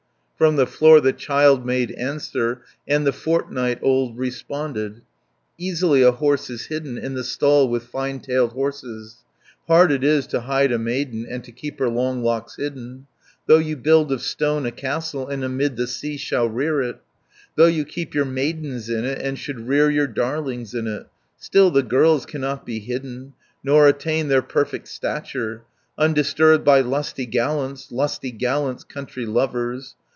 From the floor the child made answer, And the fortnight old responded: "Easily a horse is hidden In the stall, with fine tailed horses; Hard it is to hide a maiden, And to keep her long locks hidden. Though you build of stone a castle, And amid the sea shall rear it, 490 Though you keep your maidens in it, And should rear your darlings in it, Still the girls cannot be hidden, Nor attain their perfect stature, Undisturbed by lusty gallants, Lusty gallants, country lovers.